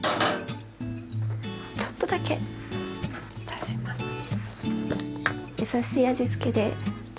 ちょっとだけ足しますね。